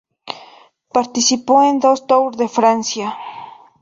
Participó en dos Tour de Francia.